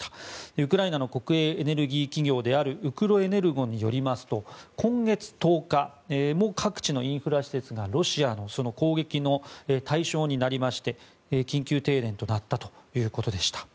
ウクライナの国営エネルギー企業ウクロエネルゴによりますと今月１０日も各地のインフラ施設がロシアの攻撃の対象になりまして緊急停電となったということでした。